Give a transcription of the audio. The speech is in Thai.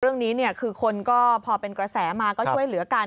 เรื่องนี้คือคนก็พอเป็นกระแสมาก็ช่วยเหลือกัน